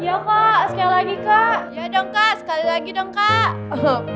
iya dong kak sekali lagi dong kak